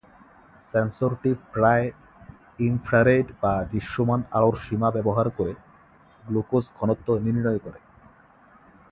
সেন্সরটি প্রায়-ইনফ্রারেড বা দৃশ্যমান আলোর সীমা ব্যবহার করে গ্লুকোজ ঘনত্ব নির্ণয় করে।